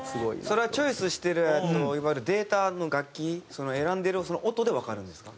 それはチョイスしてるいわゆるデータの楽器選んでる音でわかるんですか？